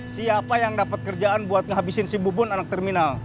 siapa yang dapat kerjaan buat ngabisin si bubun anak terminal